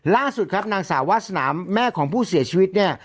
ล่าสุดครับนางสาววาสนาแม่ของผู้เสียชีวิตเนี่ย